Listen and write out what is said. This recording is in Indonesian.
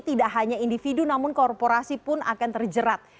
tidak hanya individu namun korporasi pun akan terjerat